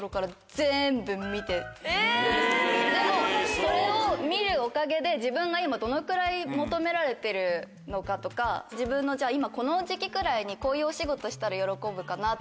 それを見るおかげで自分が今どのくらい求められてるのかとか今この時期くらいにこういうお仕事したら喜ぶかなとか驚かれるかなっていうのを